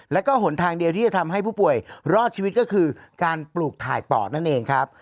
แล้วก็หนทางเดียวที่จะทำให้ผู้ป่วยรอดชีวิตก็คือการปลูกถ่ายปอดนั่นเองครับ